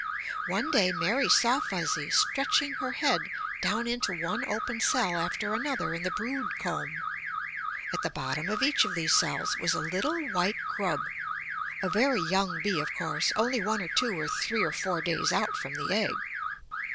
One day Mary saw Fuzzy stretching her head down into one open cell after another in the brood comb. At the bottom of each of these cells was a little white grub; a very young bee, of course, only one or two or three or four days out from the egg.